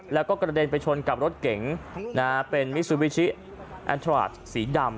แล้วก็กระเด็นไปชนกับรถเก๋งเป็นมิซูบิชิแอนทราชสีดำ